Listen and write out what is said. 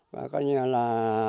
và coi như là